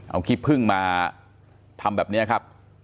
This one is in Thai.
เอาขี้พึ่งมาทำแบบนี้ครับ